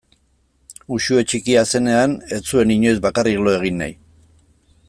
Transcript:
Uxue txikia zenean ez zuen inoiz bakarrik lo egin nahi.